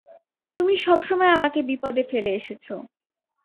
তুমি সবসময় আমাকে বিপদে ফেলে এসেছ।